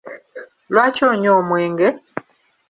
Lwaki onywa omwenge?